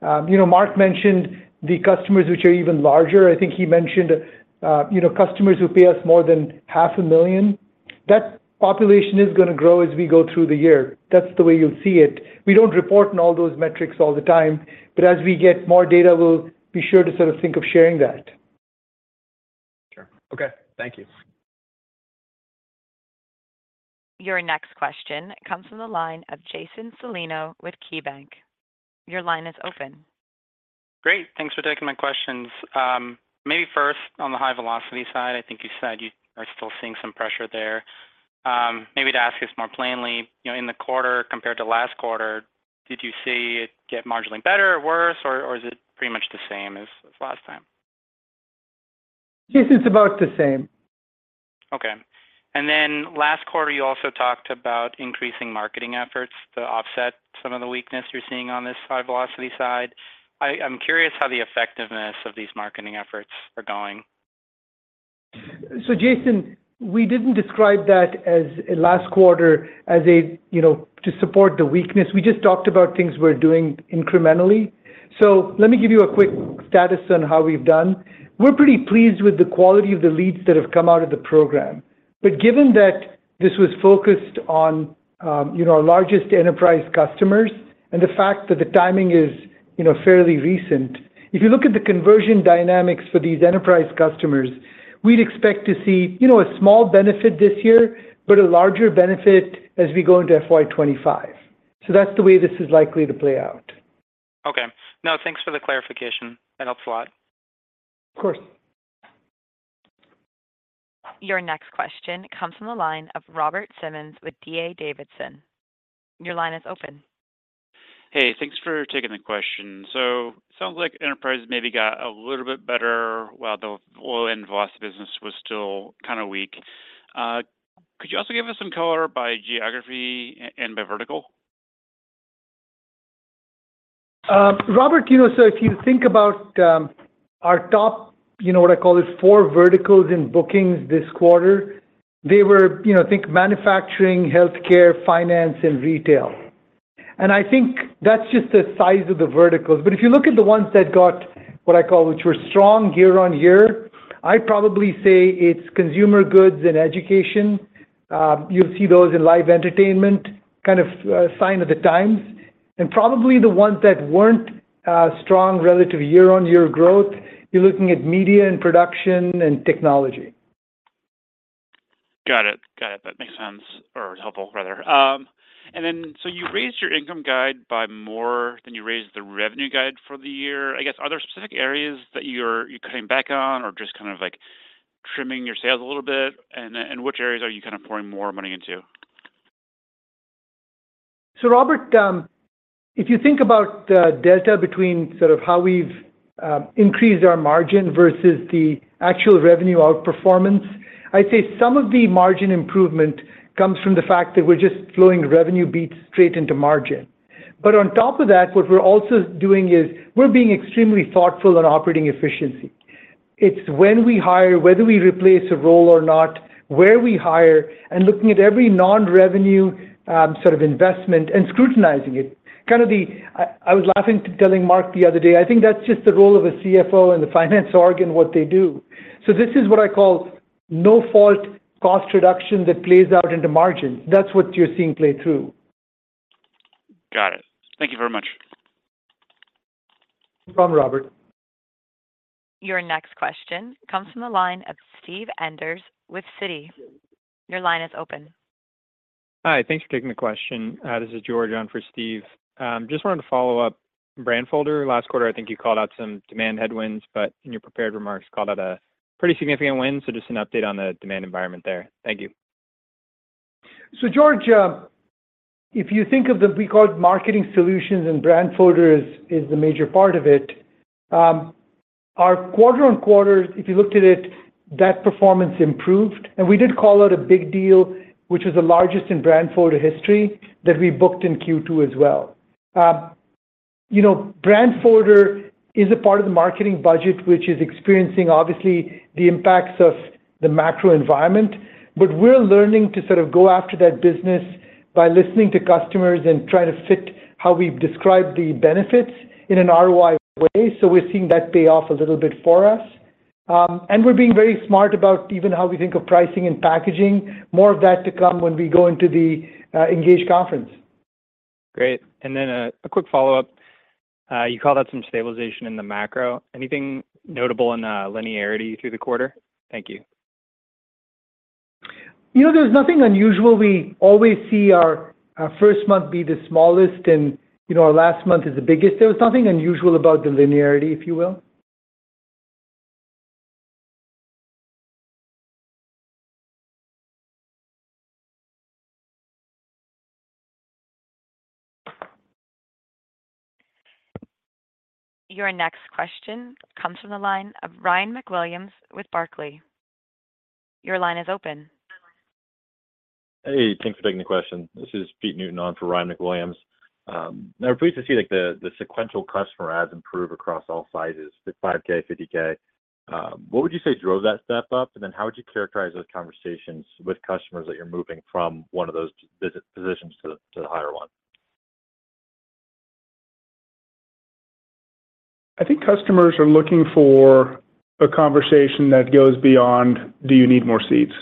You know, Mark mentioned the customers, which are even larger. I think he mentioned, you know, customers who pay us more than $500,000. That population is gonna grow as we go through the year. That's the way you'll see it. We don't report on all those metrics all the time, but as we get more data, we'll be sure to sort of think of sharing that. Sure. Okay, thank you. Your next question comes from the line of Jason Cellino with KeyBanc. Your line is open. Great, thanks for taking my questions. Maybe first, on the high velocity side, I think you said you are still seeing some pressure there. Maybe to ask this more plainly, you know, in the quarter compared to last quarter, did you see it get marginally better or worse, or, or is it pretty much the same as, as last time? Yes, it's about the same. Okay. And then last quarter, you also talked about increasing marketing efforts to offset some of the weakness you're seeing on this high velocity side. I'm curious how the effectiveness of these marketing efforts are going. Jason, we didn't describe that as last quarter as a, you know, to support the weakness. We just talked about things we're doing incrementally. Let me give you a quick status on how we've done. We're pretty pleased with the quality of the leads that have come out of the program. Given that this was focused on, you know, our largest enterprise customers and the fact that the timing is, you know, fairly recent, if you look at the conversion dynamics for these enterprise customers, we'd expect to see, you know, a small benefit this year, but a larger benefit as we go into FY 2025. So that's the way this is likely to play out. Okay. Now, thanks for the clarification. That helps a lot. Of course. Your next question comes from the line of Robert Simmons with D.A. Davidson. Your line is open. Hey, thanks for taking the question. Sounds like enterprise maybe got a little bit better, while the oil and velocity business was still kinda weak. Could you also give us some color by geography and by vertical? Robert, you know, so if you think about our top, you know, what I call this four verticals in bookings this quarter, they were, you know, think manufacturing, healthcare, finance, and retail. And I think that's just the size of the verticals but if you look at the ones that got, what I call, which were strong year-on-year, I'd probably say it's consumer goods and education. You'll see those in live entertainment, kind of, sign of the times. And probably the ones that weren't strong relative year-on-year growth, you're looking at media and production and technology. Got it. Got it. That makes sense or helpful, rather. And then so you raised your income guide by more than you raised the revenue guide for the year. I guess, are there specific areas that you're cutting back on or just kind of, like, trimming your sales a little bit? And which areas are you kinda pouring more money into? Robert, if you think about the delta between sort of how we've increased our margin versus the actual revenue outperformance, I'd say some of the margin improvement comes from the fact that we're just flowing revenue beats straight into margin. On top of that, what we're also doing is, we're being extremely thoughtful on operating efficiency. It's when we hire, whether we replace a role or not, where we hire, and looking at every non-revenue sort of investment and scrutinizing it. Kind of the... I was laughing, telling Mark the other day, I think that's just the role of a CFO and the finance org and what they do. So this is what I call no-fault cost reduction that plays out in the margin. That's what you're seeing play through. Got it. Thank you very much. No problem, Robert. Your next question comes from the line of Steve Enders with Citi. Your line is open. Hi, thanks for taking the question. This is George on for Steve. Just wanted to follow up. Brandfolder, last quarter, I think you called out some demand headwinds, but in your prepared remarks, called it a pretty significant win, so just an update on the demand environment there. Thank you. George, if you think of the—we call it marketing solutions, and Brandfolder is a major part of it. Our quarter-over-quarter, if you looked at it, that performance improved, and we did call out a big deal, which is the largest in Brandfolder history, that we booked in Q2 as well. You know, Brandfolder is a part of the marketing budget, which is experiencing, obviously, the impacts of the macro environment. We're learning to sort of go after that business by listening to customers and trying to fit how we've described the benefits in an ROI way so we're seeing that pay off a little bit for us. And we're being very smart about even how we think of pricing and packaging. More of that to come when we go into the Engage Conference. Great. And then, a quick follow-up. You called out some stabilization in the macro. Anything notable in the linearity through the quarter? Thank you. You know, there's nothing unusual. We always see our first month be the smallest, and, you know, our last month is the biggest. There was nothing unusual about the linearity, if you will. Your next question comes from the line of Ryan McWilliams with Barclays. Your line is open. Hey, thanks for taking the question. This is Peter Newton on for Ryan McWilliams. I was pleased to see, like, the sequential customer adds improve across all sizes, the $5,000, $50,000. What would you say drove that step up? And then how would you characterize those conversations with customers that you're moving from one of those ACV positions to the higher one? I think customers are looking for a conversation that goes beyond, "Do you need more seats?"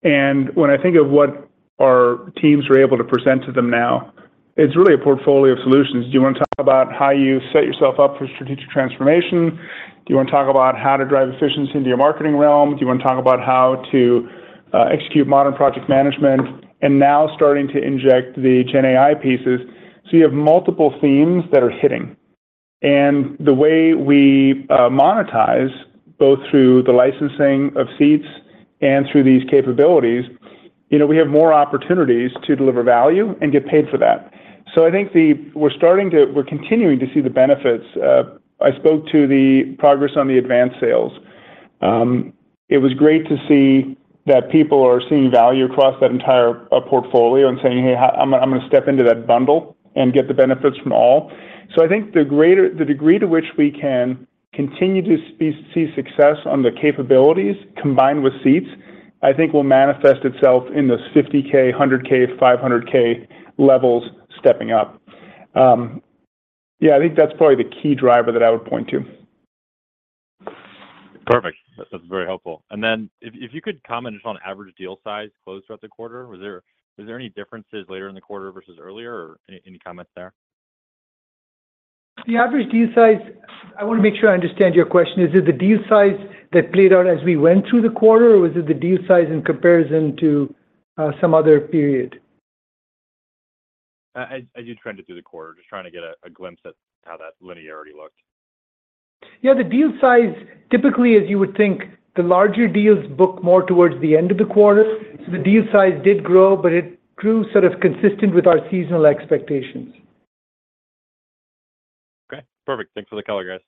When I think of what our teams are able to present to them now, it's really a portfolio of solutions. Do you want to talk about how you set yourself up for strategic transformation? Do you want to talk about how to drive efficiency into your marketing realm? Do you want to talk about how to execute modern project management? And now starting to inject the GenAI pieces. So you have multiple themes that are hitting. The way we monetize, both through the licensing of seats and through these capabilities, you know, we have more opportunities to deliver value and get paid for that. So I think we're starting to, we're continuing to see the benefits. I spoke to the progress on the advanced sales. It was great to see that people are seeing value across that entire portfolio and saying, "Hey, I'm, I'm gonna step into that bundle and get the benefits from all." So I think the greater the degree to which we can continue to see, see success on the capabilities, combined with seats, I think will manifest itself in those $50,000, $100,000, $500,000 levels stepping up. Yeah, I think that's probably the key driver that I would point to. Perfect. That's very helpful. And then if you could comment just on average deal size closed throughout the quarter. Was there any differences later in the quarter versus earlier, or any comments there? The average deal size, I want to make sure I understand your question. Is it the deal size that played out as we went through the quarter, or was it the deal size in comparison to, some other period? As you trend it through the quarter, just trying to get a glimpse at how that linearity looked? Yeah, the deal size, typically, as you would think, the larger deals book more towards the end of the quarter. So the deal size did grow, but it grew sort of consistent with our seasonal expectations. Okay, perfect. Thanks for the color, guys.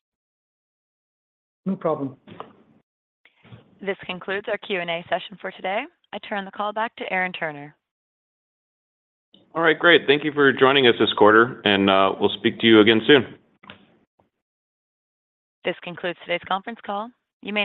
No problem. This concludes our Q&A session for today. I turn the call back to Aaron Turner. All right, great. Thank you for joining us this quarter, and we'll speak to you again soon. This concludes today's conference call. You may now disconnect.